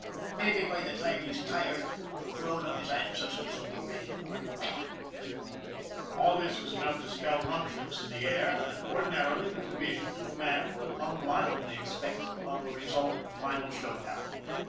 Mabbe by the time he's tired the throne of his ancestors'll be ready for him, what ?" All this was enough to spell ructions in the air, and, ordinarily, the division to a man would have hung mildly expectant on the result of the final showdown.